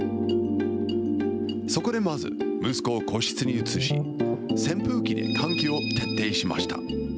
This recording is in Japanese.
そこでまず、息子を個室に移し、扇風機で換気を徹底しました。